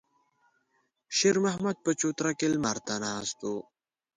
شېرمحمد په چوتره کې لمر ته ناست و.